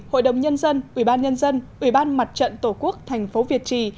hội đồng nhân dân ủy ban nhân dân ủy ban mặt trận tổ quốc thành phố việt trì